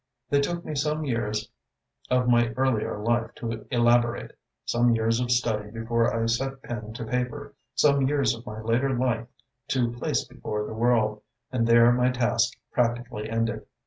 They took me some years of my earlier life to elaborate, some years of study before I set pen to paper, some years of my later life to place before the world, and there my task practically ended.